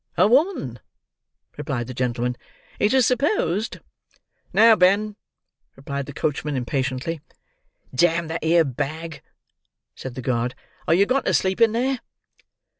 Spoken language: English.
"A woman," replied the gentleman. "It is supposed—" "Now, Ben," replied the coachman impatiently. "Damn that 'ere bag," said the guard; "are you gone to sleep in there?"